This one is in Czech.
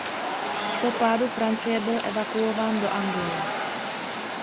Po pádu Francie byl evakuován do Anglie.